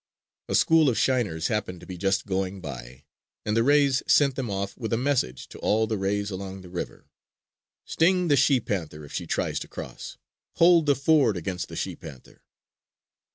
A school of shiners happened to be just going by; and the rays sent them off with a message to all the rays along the river: "Sting the she panther if she tries to cross! Hold the ford against the she panther!"